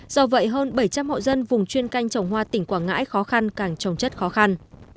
do vậy hơn bảy trăm linh hộ dân vùng chuyên canh trồng hoa tỉnh quảng ngãi khó khăn càng trồng chất khó khăn